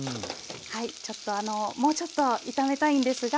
はいちょっとあのもうちょっと炒めたいんですがはい。